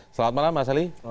selamat malam mas ali